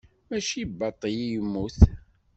Mačči baṭel i yemmut.